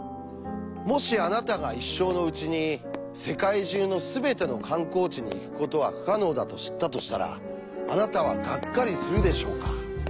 もしあなたが一生のうちに世界中のすべての観光地に行くことは不可能だと知ったとしたらあなたはがっかりするでしょうか？